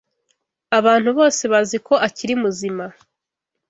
Abantu bose bazi ko akiri muzima